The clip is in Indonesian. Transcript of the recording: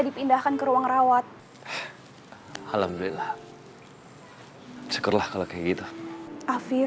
dipindahkan ke ruang rawat alhamdulillah syukurlah kalau kayak gitu afir